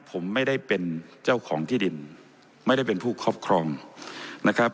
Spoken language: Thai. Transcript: ผมไม่ได้เป็นเจ้าของที่ดินไม่ได้เป็นผู้ครอบครองนะครับ